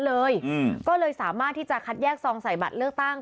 ก็เลยสามารถที่จะคัดแยกซองใส่บัตรเลือกตั้ง